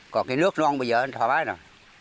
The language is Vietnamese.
còn cái nước luôn bây giờ thỏa bát rồi